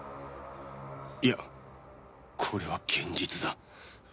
いやこれは現実だ